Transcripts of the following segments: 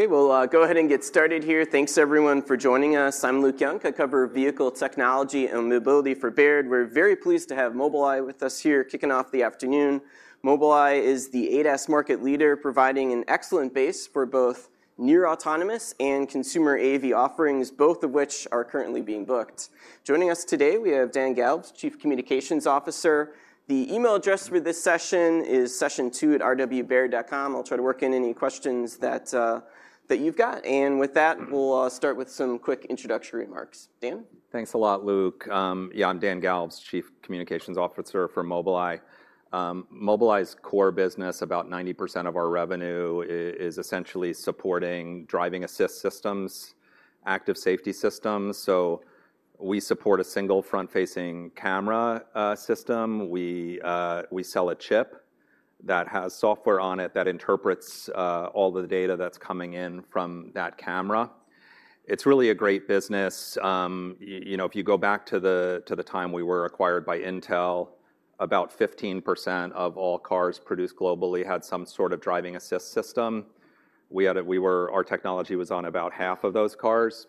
Okay, we'll go ahead and get started here. Thanks everyone for joining us. I'm Luke Junk. I cover vehicle technology and mobility for Baird. We're very pleased to have Mobileye with us here, kicking off the afternoon. Mobileye is the ADAS market leader, providing an excellent base for both near autonomous and consumer AV offerings, both of which are currently being booked. Joining us today, we have Dan Galves, Chief Communications Officer. The email address for this session is sessiontwo@rwbaird.com. I'll try to work in any questions that, that you've got. And with that, we'll start with some quick introductory remarks. Dan? Thanks a lot, Luke. Yeah, I'm Dan Galves, Chief Communications Officer for Mobileye. Mobileye's core business, about 90% of our revenue is essentially supporting driving assist systems, active safety systems. So we support a single front-facing camera system. We, we sell a chip that has software on it that interprets all the data that's coming in from that camera. It's really a great business. You know, if you go back to the time we were acquired by Intel, about 15% of all cars produced globally had some sort of driving assist system. We were, our technology was on about half of those cars.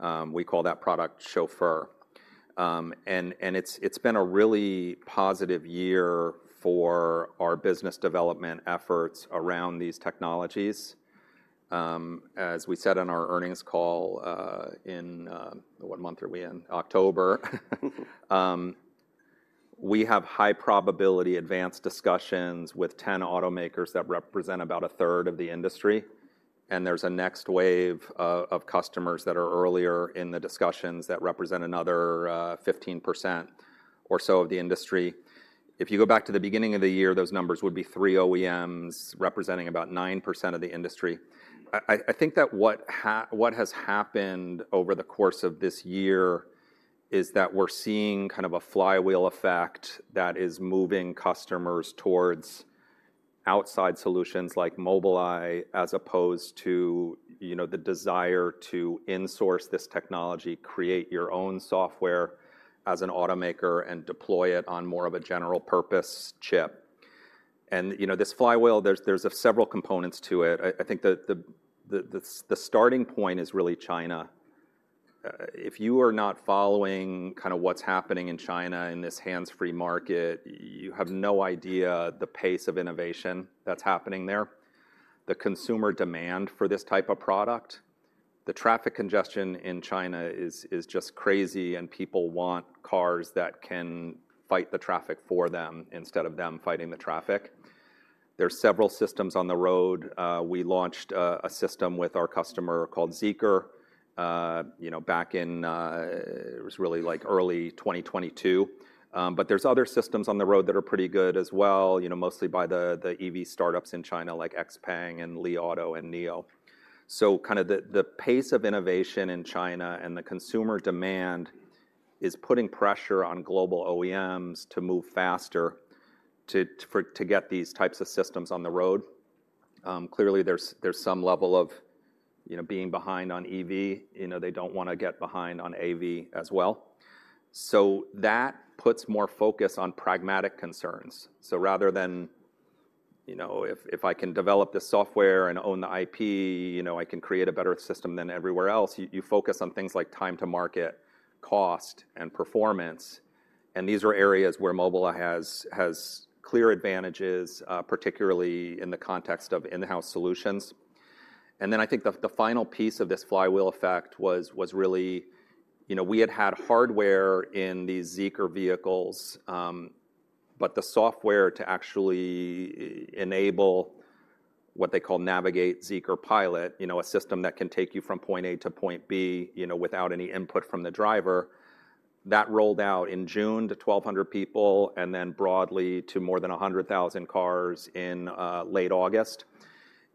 We generate. We call that product Chauffeur. And it's been a really positive year for our business development efforts around these technologies. As we said on our earnings call, in what month are we in? October. We have high probability advanced discussions with 10 automakers that represent about a third of the industry, and there's a next wave of customers that are earlier in the discussions that represent another 15% or so of the industry. If you go back to the beginning of the year, those numbers would be three OEMs, representing about 9% of the industry. I think that what has happened over the course of this year is that we're seeing kind of a flywheel effect that is moving customers towards outside solutions like Mobileye, as opposed to, you know, the desire to insource this technology, create your own software as an automaker, and deploy it on more of a general purpose chip. You know, this flywheel, there's several components to it. I think the starting point is really China. If you are not following kind of what's happening in China in this hands-free market, you have no idea the pace of innovation that's happening there. The consumer demand for this type of product, the traffic congestion in China is just crazy, and people want cars that can fight the traffic for them instead of them fighting the traffic. There are several systems on the road. We launched a system with our customer called ZEEKR, you know, back in early 2022. But there's other systems on the road that are pretty good as well, you know, mostly by the EV startups in China, like XPeng and Li Auto and NIO. So kind of the pace of innovation in China and the consumer demand is putting pressure on global OEMs to move faster to get these types of systems on the road. Clearly, there's some level of, you know, being behind on EV. You know, they don't wanna get behind on AV as well. So that puts more focus on pragmatic concerns. So rather than, you know, if, "If I can develop this software and own the IP, you know, I can create a better system than everywhere else," you focus on things like time to market, cost, and performance, and these are areas where Mobileye has clear advantages, particularly in the context of in-house solutions. And then I think the final piece of this flywheel effect was really, you know, we had had hardware in these ZEEKR vehicles, but the software to actually enable what they call Navigation ZEEKR Pilot, you know, a system that can take you from point A to point B, you know, without any input from the driver, that rolled out in June to 1,200 people, and then broadly to more than 100,000 cars in late August.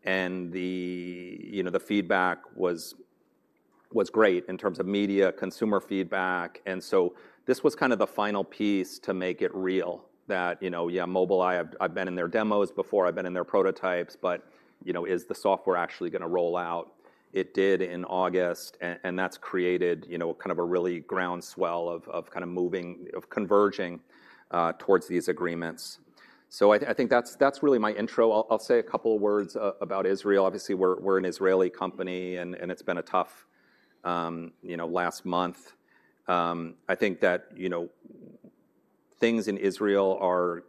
And the feedback was great in terms of media, consumer feedback, and so this was kind of the final piece to make it real, that, you know, yeah, Mobileye, I've been in their demos before, I've been in their prototypes, but, you know, is the software actually gonna roll out? It did in August, and that's created, you know, kind of a really groundswell of converging towards these agreements. So I think that's really my intro. I'll say a couple of words about Israel. Obviously, we're an Israeli company, and it's been a tough, you know, last month. I think that, you know, things in Israel are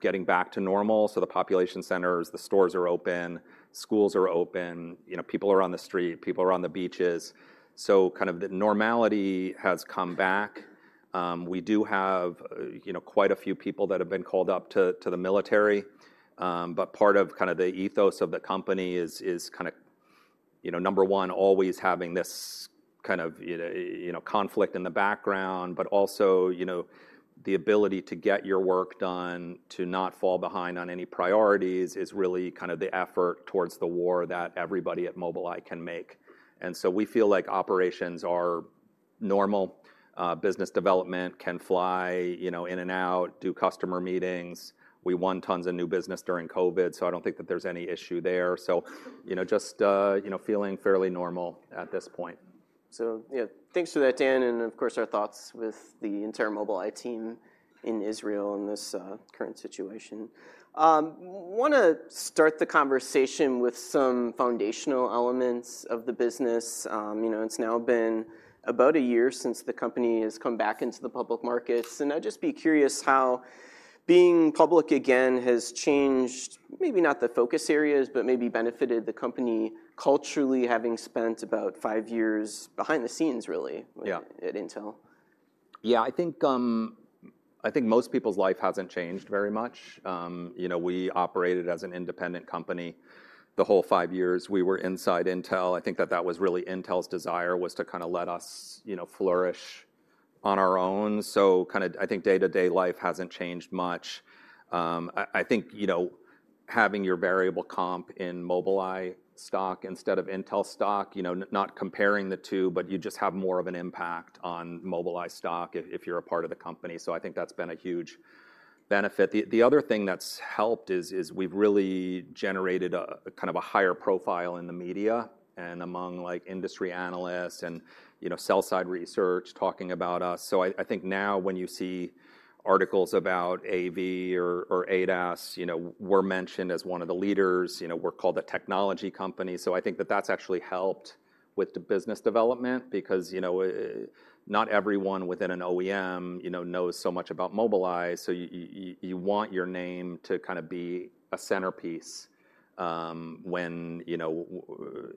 getting back to normal, so the population centers, the stores are open, schools are open, you know, people are on the street, people are on the beaches. So kind of the normality has come back. We do have, you know, quite a few people that have been called up to the military. But part of kind of the ethos of the company is kind of, you know, number one, always having this kind of, you know, conflict in the background, but also, you know, the ability to get your work done, to not fall behind on any priorities, is really kind of the effort towards the war that everybody at Mobileye can make. And so we feel like operations are normal. Business development can fly, you know, in and out, do customer meetings. We won tons of new business during COVID, so I don't think that there's any issue there. So, you know, just, you know, feeling fairly normal at this point. So, yeah, thanks for that, Dan, and of course, our thoughts with the entire Mobileye team in Israel in this current situation. Wanna start the conversation with some foundational elements of the business. You know, it's now been about a year since the company has come back into the public markets, and I'd just be curious how being public again has changed, maybe not the focus areas, but maybe benefited the company culturally, having spent about five years behind the scenes, really at Intel. Yeah, I think, I think most people's life hasn't changed very much. You know, we operated as an independent company the whole five years we were inside Intel. I think that that was really Intel's desire, was to kind of let us, you know, flourish on our own. So kinda, I think day-to-day life hasn't changed much. I think, you know, having your variable comp in Mobileye stock instead of Intel stock, you know, not comparing the two, but you just have more of an impact on Mobileye stock if you're a part of the company. So I think that's been a huge benefit. The other thing that's helped is we've really generated a kind of higher profile in the media and among, like, industry analysts and, you know, sell-side research talking about us. So I think now when you see articles about AV or ADAS, you know, we're mentioned as one of the leaders. You know, we're called a technology company. So I think that that's actually helped with the business development because, you know, not everyone within an OEM, you know, knows so much about Mobileye, so you want your name to kinda be a centerpiece, when, you know,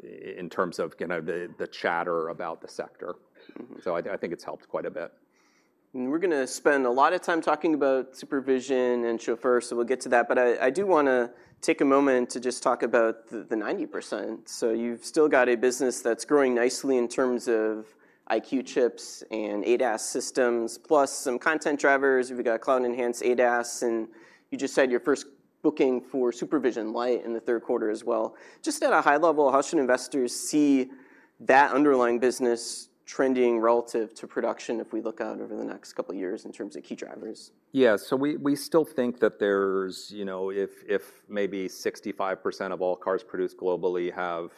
in terms of, kinda, the chatter about the sector. So I think it's helped quite a bit. We're gonna spend a lot of time talking about SuperVision and Chauffeur, so we'll get to that. But I, I do wanna take a moment to just talk about the 90%. So you've still got a business that's growing nicely in terms of EyeQ chips and ADAS systems, plus some content drivers. We've got cloud-enhanced ADAS, and you just had your first booking for SuperVision Lite in the Q3 as well. Just at a high level, how should investors see that underlying business trending relative to production if we look out over the next couple of years in terms of key drivers? Yeah. So we still think that there's, you know, if maybe 65% of all cars produced globally have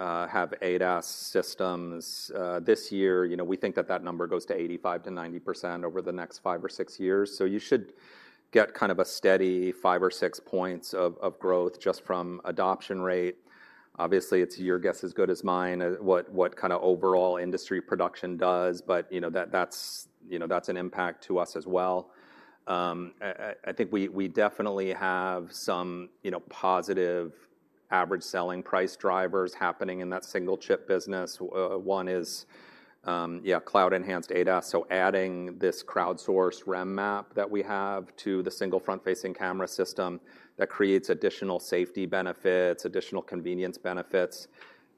ADAS systems this year, you know, we think that that number goes to 85%-90% over the next five or six years. So you should get kind of a steady five or six points of growth just from adoption rate. Obviously, it's your guess as good as mine what kind of overall industry production does, but, you know, that's an impact to us as well. I think we definitely have some, you know, positive average selling price drivers happening in that single chip business. One is cloud-enhanced ADAS, so adding this crowdsourced REM map that we have to the single front-facing camera system that creates additional safety benefits, additional convenience benefits,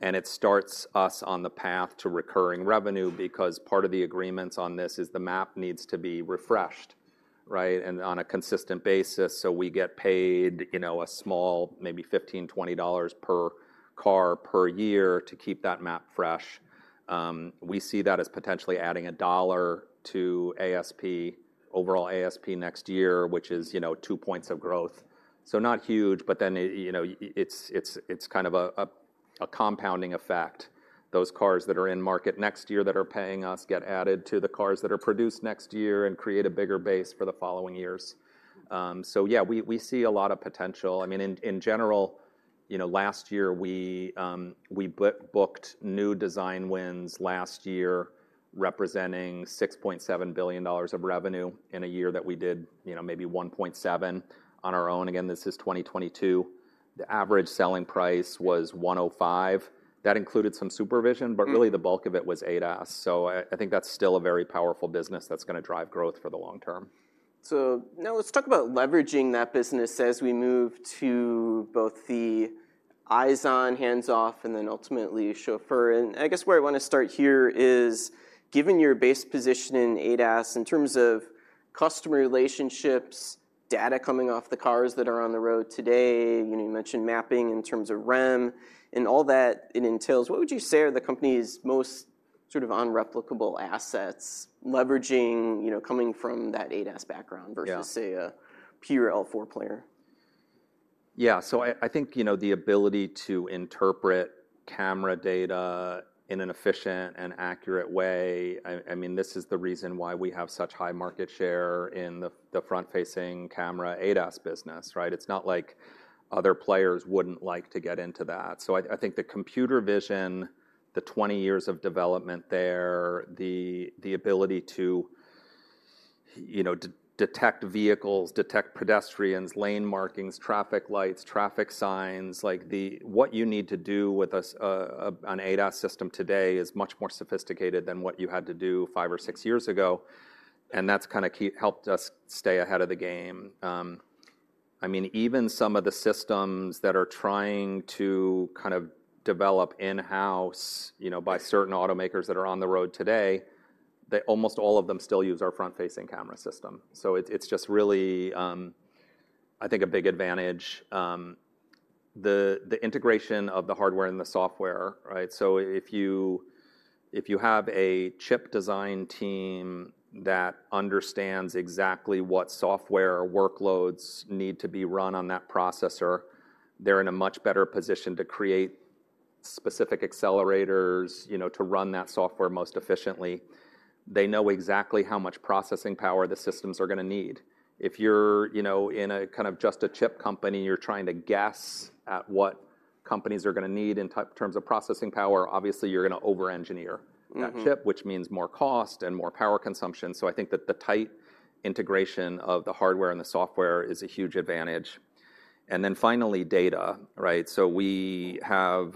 and it starts us on the path to recurring revenue because part of the agreements on this is the map needs to be refreshed, right? And on a consistent basis. So we get paid, you know, a small, maybe $15-$20 per car per year to keep that map fresh. We see that as potentially adding $1 to ASP, overall ASP next year, which is, you know, two points of growth. So not huge, but then, you know, it's, it's, it's kind of a compounding effect. Those cars that are in market next year that are paying us get added to the cars that are produced next year and create a bigger base for the following years. So yeah, we see a lot of potential. I mean, in general, you know, last year, we booked new design wins last year, representing $6.7 billion of revenue in a year that we did, you know, maybe $1.7 billion on our own. Again, this is 2022. The average selling price was $105. That included some SuperVision but really the bulk of it was ADAS. So I think that's still a very powerful business that's gonna drive growth for the long term. So now let's talk about leveraging that business as we move to both the eyes-on, hands-off, and then ultimately, Chauffeur. And I guess where I wanna start here is, given your base position in ADAS, in terms of customer relationships, data coming off the cars that are on the road today, you know, you mentioned mapping in terms of REM and all that it entails. What would you say are the company's most sort of unreplicable assets leveraging, you know, coming from that ADAS background? Yeah. versus, say, a pure L4 player? Yeah. So I think, you know, the ability to interpret camera data in an efficient and accurate way. I mean, this is the reason why we have such high market share in the front-facing camera ADAS business, right? It's not like other players wouldn't like to get into that. So I think the computer vision, the 20 years of development there, the ability to, you know, detect vehicles, detect pedestrians, lane markings, traffic lights, traffic signs, like, what you need to do with an ADAS system today is much more sophisticated than what you had to do five or six years ago, and that's kinda helped us stay ahead of the game. I mean, even some of the systems that are trying to kind of develop in-house, you know, by certain automakers that are on the road today, they almost all of them still use our front-facing camera system. So it, it's just really, I think, a big advantage. The integration of the hardware and the software, right? So if you have a chip design team that understands exactly what software workloads need to be run on that processor, they're in a much better position to create specific accelerators, you know, to run that software most efficiently. They know exactly how much processing power the systems are gonna need. If you're, you know, in a kind of just a chip company, you're trying to guess at what companies are gonna need in terms of processing power, obviously, you're gonna over-engineer that chip, which means more cost and more power consumption. So I think that the tight integration of the hardware and the software is a huge advantage. And then finally, data, right? So we have,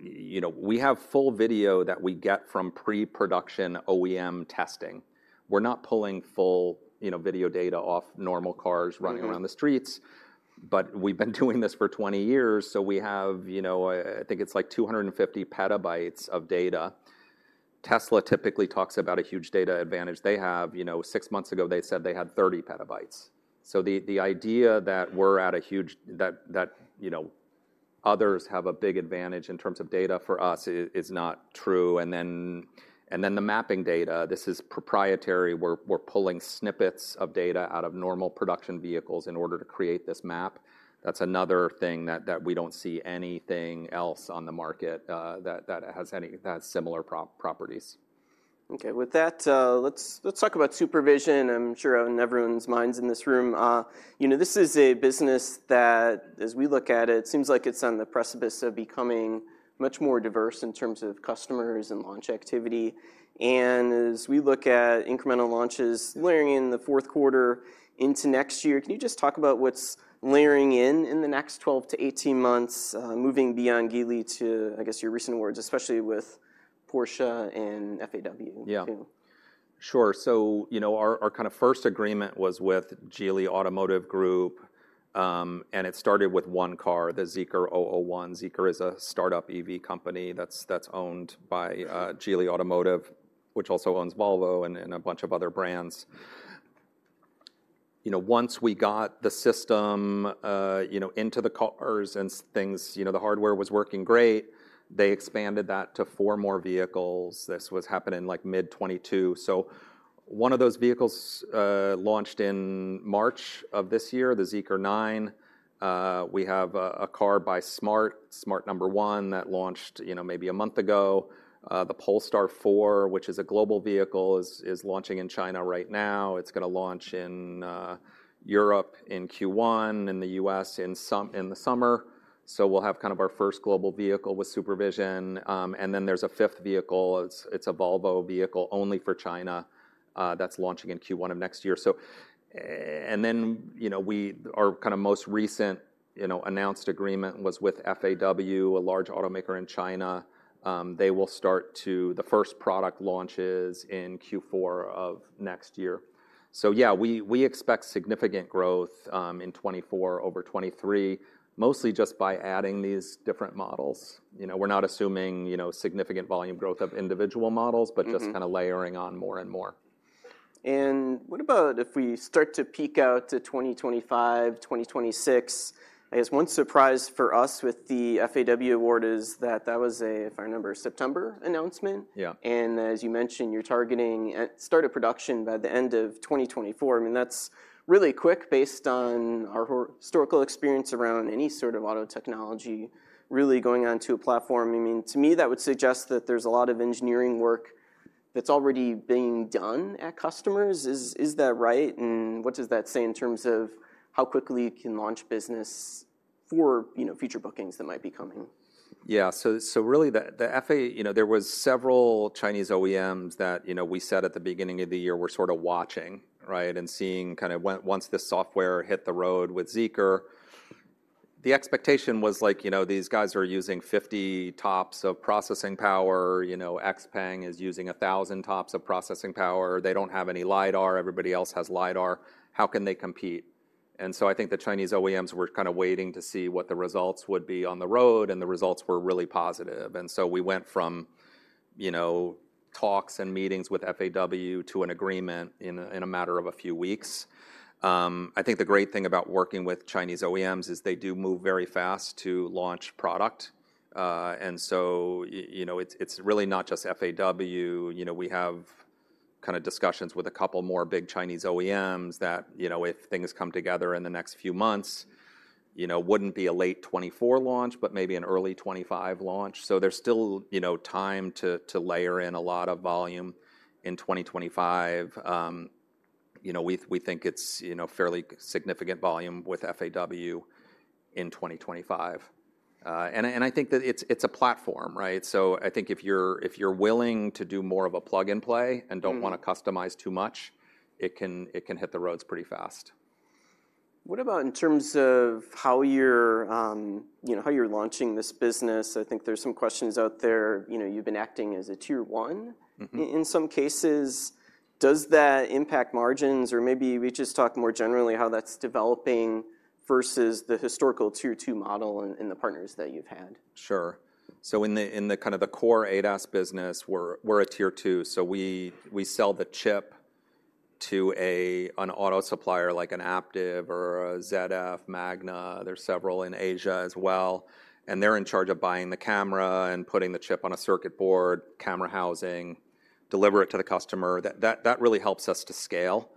you know, we have full video that we get from pre-production OEM testing. We're not pulling full, you know, video data off normal cars running around the streets, but we've been doing this for 20 years, so we have, you know, I think it's, like, 250 PB of data. Tesla typically talks about a huge data advantage they have. You know, six months ago, they said they had 30 PB. So the idea that we're at a huge, that you know, others have a big advantage in terms of data, for us, is not true. And then the mapping data, this is proprietary. We're pulling snippets of data out of normal production vehicles in order to create this map. That's another thing that we don't see anything else on the market that has any similar properties. Okay. With that, let's talk about SuperVision. I'm sure on everyone's minds in this room. You know, this is a business that, as we look at it, seems like it's on the precipice of becoming much more diverse in terms of customers and launch activity. And as we look at incremental launches layering in the Q4 into next year, can you just talk about what's layering in in the next 12-18 months, moving beyond Geely to, I guess, your recent awards, especially with Porsche and FAW? Yeah. Sure. So, you know, our kind of first agreement was with Geely Automotive Group, and it started with one car, the ZEEKR 001. ZEEKR is a start-up EV company that's owned by Geely Automotive, which also owns Volvo and a bunch of other brands. You know, once we got the system, you know, into the cars and things. You know, the hardware was working great, they expanded that to four more vehicles. This was happening in, like, mid-2022. So one of those vehicles launched in March of this year, the ZEEKR 009. We have a car by smart, smart #1, that launched, you know, maybe a month ago. The Polestar 4, which is a global vehicle, is launching in China right now. It's gonna launch in Europe in Q1, in the U.S. in the summer. So we'll have kind of our first global vehicle with SuperVision. And then, there's a fifth vehicle. It's a Volvo vehicle only for China that's launching in Q1 of next year. So, and then, you know, our kind of most recent, you know, announced agreement was with FAW, a large automaker in China. The first product launch is in Q4 of next year. So yeah, we expect significant growth in 2024 over 2023, mostly just by adding these different models. You know, we're not assuming, you know, significant volume growth of individual models but just kind of layering on more and more. What about if we start to peak out to 2025, 2026? I guess one surprise for us with the FAW award is that that was a, if I remember, September announcement. Yeah. As you mentioned, you're targeting start of production by the end of 2024. I mean, that's really quick based on our historical experience around any sort of auto technology really going onto a platform. I mean, to me, that would suggest that there's a lot of engineering work that's already being done at customers. Is that right? And what does that say in terms of how quickly you can launch business for, you know, future bookings that might be coming? Yeah. So, really, the, the FAW, you know, there were several Chinese OEMs that, you know, we said at the beginning of the year, we're sort of watching, right? And seeing kind of once this software hit the road with ZEEKR, the expectation was, like, you know, these guys are using 50 TOPS of processing power. You know, XPeng is using 1,000 TOPS of processing power. They don't have any LiDAR. Everybody else has LiDAR. How can they compete? And so I think the Chinese OEMs were kind of waiting to see what the results would be on the road, and the results were really positive. And so we went from, you know, talks and meetings with FAW to an agreement in a, in a matter of a few weeks. I think the great thing about working with Chinese OEMs is they do move very fast to launch product. So you know, it's really not just FAW. You know, we have kind of discussions with a couple more big Chinese OEMs that, you know, if things come together in the next few months, you know, wouldn't be a late 2024 launch, but maybe an early 2025 launch. So there's still, you know, time to layer in a lot of volume in 2025. You know, we think it's, you know, fairly significant volume with FAW in 2025. And I think that it's a platform, right? So I think if you're willing to do more of a plug-and-play and don't wanna customize too much, it can, it can hit the roads pretty fast. What about in terms of how you're, you know, how you're launching this business? I think there's some questions out there. You know, you've been acting as a Tier 1 in some cases. Does that impact margins? Or maybe we just talk more generally how that's developing versus the historical Tier 2 model in the partners that you've had. Sure. So in the core ADAS business, we're a Tier 2, so we sell the chip to an auto supplier, like an Aptiv or a ZF, Magna. There's several in Asia as well, and they're in charge of buying the camera and putting the chip on a circuit board, camera housing, deliver it to the customer. That really helps us to scale,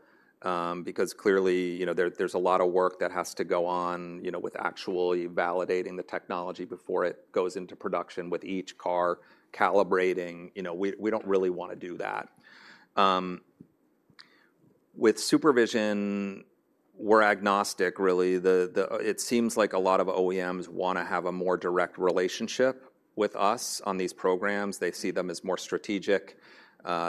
because clearly, you know, there's a lot of work that has to go on, you know, with actually validating the technology before it goes into production with each car calibrating. You know, we don't really wanna do that. With SuperVision, we're agnostic, really. It seems like a lot of OEMs wanna have a more direct relationship with us on these programs. They see them as more strategic.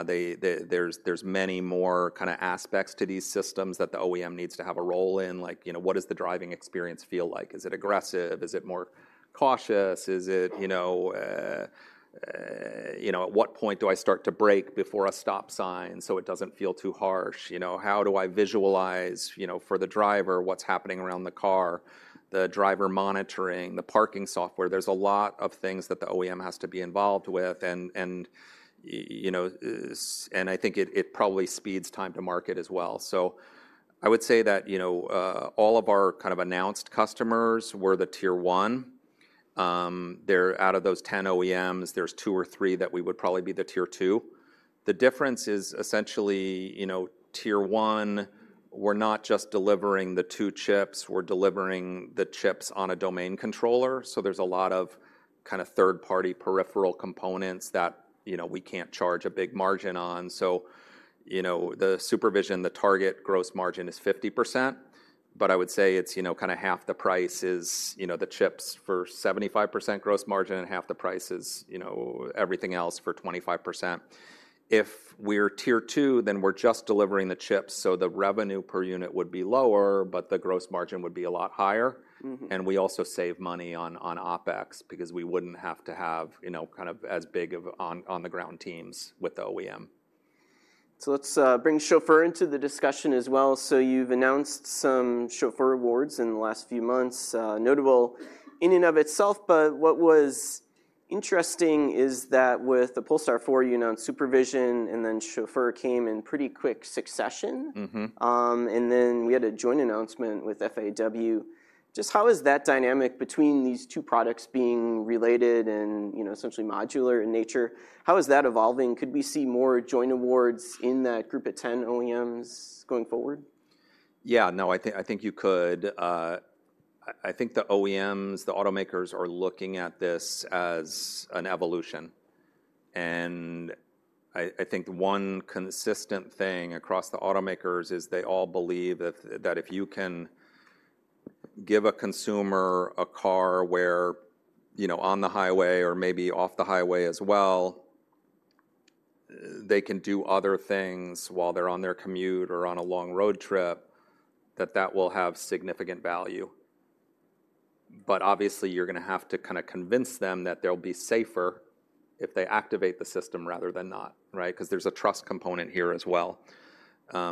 They, there's many more kinda aspects to these systems that the OEM needs to have a role in. Like, you know, what does the driving experience feel like? Is it aggressive? Is it more cautious? Is it, you know, at what point do I start to brake before a stop sign, so it doesn't feel too harsh? You know, how do I visualize, you know, for the driver, what's happening around the car, the driver monitoring, the parking software? There's a lot of things that the OEM has to be involved with, and you know, and I think it probably speeds time to market as well. So I would say that, you know, all of our kind of announced customers were the Tier 1. They're, out of those 10 OEMs, there's two or three that we would probably be the Tier 2. The difference is essentially, you know, Tier 1, we're not just delivering the two chips, we're delivering the chips on a domain controller, so there's a lot of kind of third-party peripheral components that, you know, we can't charge a big margin on. So, you know, the SuperVision, the target gross margin is 50%, but I would say it's, you know, kinda half the price is, you know, the chips for 75% gross margin, and half the price is, you know, everything else for 25%. If we're Tier 2, then we're just delivering the chips, so the revenue per unit would be lower, but the gross margin would be a lot higher. We also save money on OpEx because we wouldn't have to have, you know, kind of as big of on-the-ground teams with the OEM. So let's bring Chauffeur into the discussion as well. So you've announced some Chauffeur awards in the last few months, notable in and of itself, but what was interesting is that with the Polestar 4, you announced SuperVision, and then Chauffeur came in pretty quick succession. We had a joint announcement with FAW. Just how is that dynamic between these two products being related and, you know, essentially modular in nature? How is that evolving? Could we see more joint awards in that group of 10 OEMs going forward? Yeah. No, I think you could. I think the OEMs, the automakers are looking at this as an evolution, and I think the one consistent thing across the automakers is they all believe that if you can give a consumer a car where, you know, on the highway or maybe off the highway as well, they can do other things while they're on their commute or on a long road trip, that that will have significant value. But obviously, you're gonna have to kinda convince them that they'll be safer if they activate the system rather than not, right? 'Cause there's a trust component here as well.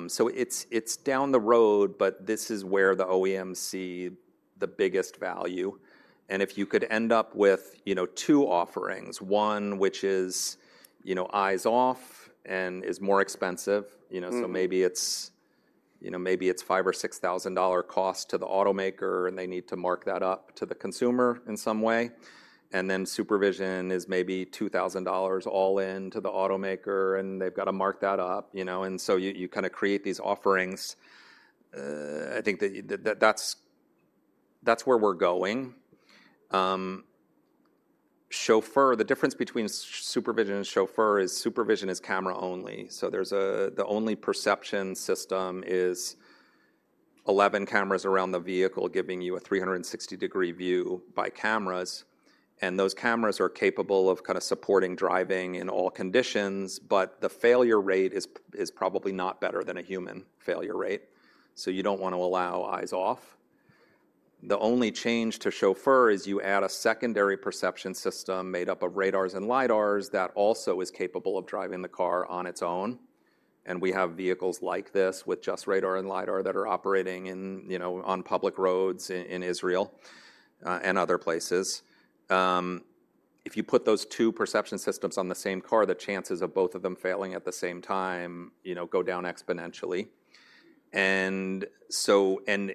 So it's down the road, but this is where the OEMs see the biggest value. If you could end up with, you know, two offerings, one, which is, you know, eyes off and is more expensive, you know so maybe it's, you know, maybe it's $5,000-$6,000 cost to the automaker, and they need to mark that up to the consumer in some way. And then SuperVision is maybe $2,000 all in to the automaker, and they've got to mark that up, you know. And so you kinda create these offerings. I think that's where we're going. Chauffeur, the difference between SuperVision and Chauffeur is SuperVision is camera only. So there's the only perception system is 11 cameras around the vehicle, giving you a 360-degree view by cameras, and those cameras are capable of kinda supporting driving in all conditions, but the failure rate is probably not better than a human failure rate. So you don't want to allow eyes off. The only change to Chauffeur is you add a secondary perception system made up of radars and LiDARs that also is capable of driving the car on its own. We have vehicles like this with just radar and LiDAR that are operating in, you know, on public roads in Israel, and other places. If you put those two perception systems on the same car, the chances of both of them failing at the same time, you know, go down exponentially. And so, and,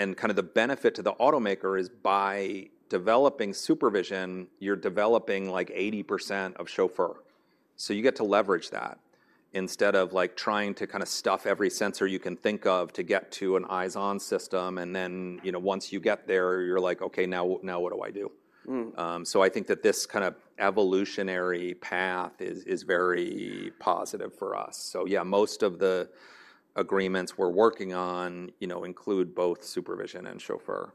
and kind of the benefit to the automaker is by developing SuperVision, you're developing, like, 80% of Chauffeur. So you get to leverage that instead of, like, trying to kinda stuff every sensor you can think of to get to an eyes-on system, and then, you know, once you get there, you're like: "Okay, now, now, what do I do? I think that this kind of evolutionary path is very positive for us. So yeah, most of the agreements we're working on, you know, include both SuperVision and Chauffeur.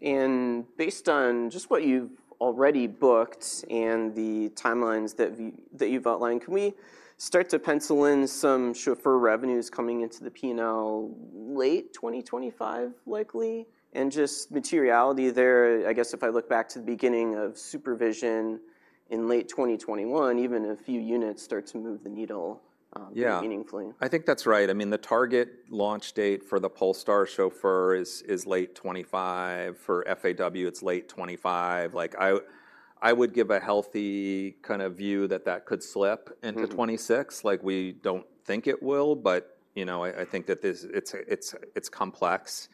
Based on just what you've already booked and the timelines that you've outlined, can we start to pencil in some Chauffeur revenues coming into the P&L late 2025, likely? Just materiality there, I guess if I look back to the beginning of SuperVision in late 2021, even a few units start to move the needle. Yeah Meaningfully. I think that's right. I mean, the target launch date for the Polestar Chauffeur is late 2025. For FAW, it's late 2025. Like, I would give a healthy kind of view that that could slip into 2026. Like, we don't think it will, but, you know, I think that this, it's complex.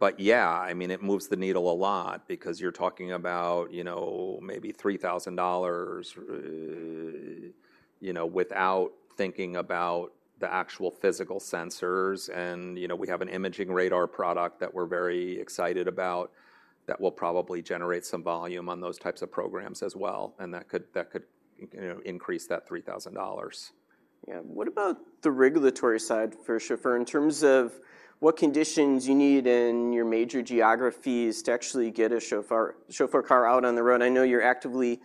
But yeah, I mean, it moves the needle a lot because you're talking about, you know, maybe $3,000, you know, without thinking about the actual physical sensors. And, you know, we have an imaging radar product that we're very excited about that will probably generate some volume on those types of programs as well, and that could, you know, increase that $3,000. Yeah. What about the regulatory side for Chauffeur in terms of what conditions you need in your major geographies to actually get a Chauffeur, Chauffeur car out on the road? I know you're actively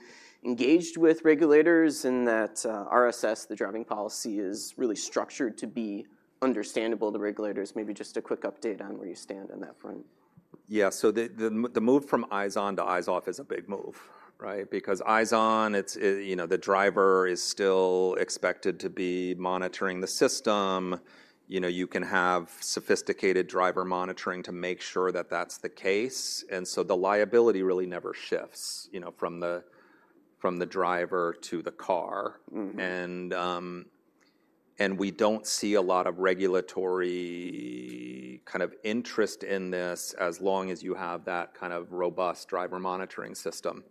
engaged with regulators and that, RSS, the driving policy, is really structured to be understandable to regulators. Maybe just a quick update on where you stand on that front. Yeah, so the move from eyes on to eyes off is a big move, right? Because eyes on, it's you know, the driver is still expected to be monitoring the system. You know, you can have sophisticated driver monitoring to make sure that that's the case, and so the liability really never shifts, you know, from the driver to the car. And we don't see a lot of regulatory kind of interest in this as long as you have that kind of robust driver monitoring system.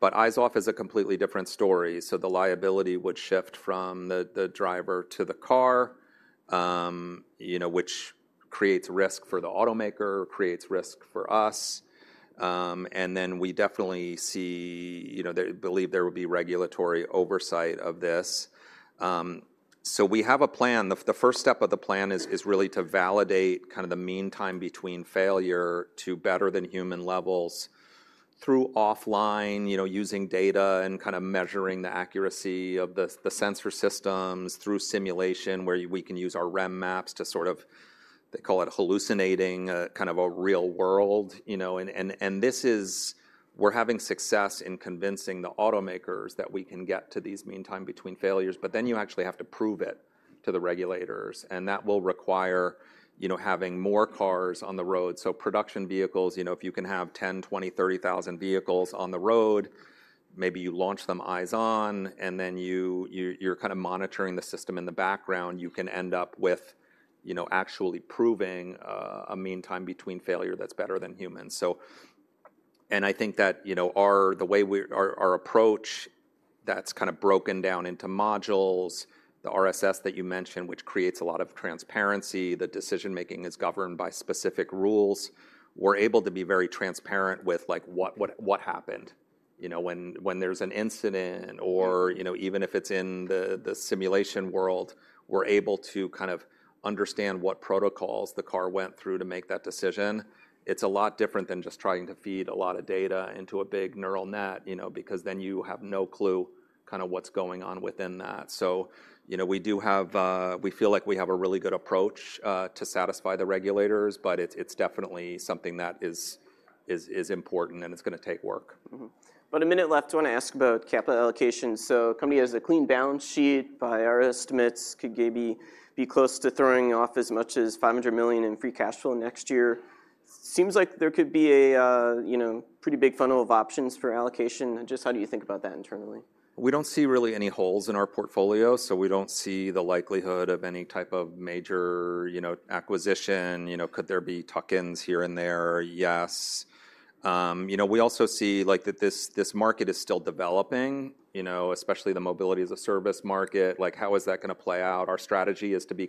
But eyes off is a completely different story, so the liability would shift from the driver to the car, you know, which creates risk for the automaker, creates risk for us. And then we definitely see, you know, we believe there would be regulatory oversight of this. So we have a plan. The first step of the plan is really to validate kind of the mean time between failure to better than human levels through offline, you know, using data and kinda measuring the accuracy of the sensor systems through simulation, where we can use our REM maps to sort of, they call it hallucinating, kind of a real world. You know, this is, we're having success in convincing the automakers that we can get to these mean time between failures, but then you actually have to prove it to the regulators, and that will require, you know, having more cars on the road. So production vehicles, you know, if you can have 10,000, 20,000, 30,000 vehicles on the road, maybe you launch them eyes on, and then you're kinda monitoring the system in the background, you can end up with, you know, actually proving a mean time between failure that's better than humans. So, I think that, you know, our, the way we, our approach, that's kinda broken down into modules, the RSS that you mentioned, which creates a lot of transparency, the decision-making is governed by specific rules. We're able to be very transparent with, like, what happened, you know, when there's an incident or... you know, even if it's in the simulation world, we're able to kind of understand what protocols the car went through to make that decision. It's a lot different than just trying to feed a lot of data into a big neural net, you know, because then you have no clue kinda what's going on within that. So, you know, we do have., we feel like we have a really good approach to satisfy the regulators, but it's definitely something that is important, and it's gonna take work. About a minute left, I wanna ask about capital allocation. Company has a clean balance sheet. By our estimates, could maybe be close to throwing off as much as $500 million in free cash flow next year. Seems like there could be a, you know, pretty big funnel of options for allocation. Just how do you think about that internally? We don't see really any holes in our portfolio, so we don't see the likelihood of any type of major, you know, acquisition. You know, could there be tuck-ins here and there? Yes. You know, we also see, like, that this market is still developing, you know, especially the mobility as a service market. Like, how is that gonna play out? Our strategy is to be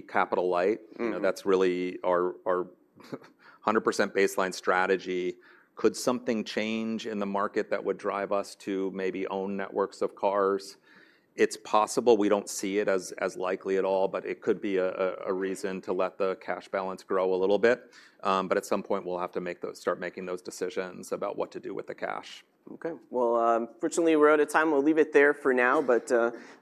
capital light. You know, that's really our 100% baseline strategy. Could something change in the market that would drive us to maybe own networks of cars? It's possible. We don't see it as likely at all, but it could be a reason to let the cash balance grow a little bit. But at some point, we'll have to start making those decisions about what to do with the cash. Okay. Well, fortunately, we're out of time. We'll leave it there for now, but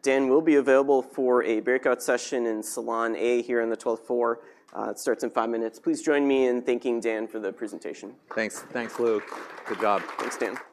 Dan will be available for a breakout session in Salon A here in the 12th floor. It starts in five minutes. Please join me in thanking Dan for the presentation. Thanks. Thanks, Luke. Good job. Thanks, Dan.